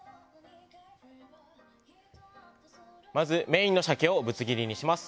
まずメインの鮭をぶつ切りにします。